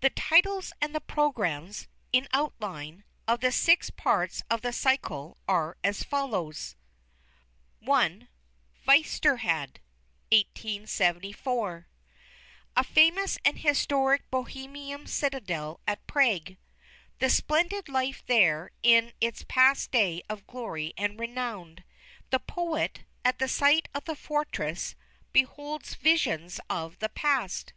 The titles and the programmes (in outline) of the six parts of the cycle are as follows: I. "VYSEHRAD" A famous and historic Bohemian citadel at Prague. The splendid life there in its past day of glory and renown. The poet, at the sight of the fortress, beholds visions of the past.